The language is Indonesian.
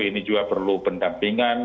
ini juga perlu pendampingan